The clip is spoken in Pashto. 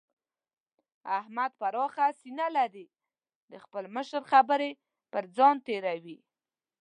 احمد پراخه سينه لري؛ د خپل مشر خبرې پر ځان تېروي.